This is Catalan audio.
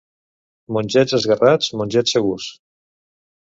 Mongets esguerrats, mongets segurs.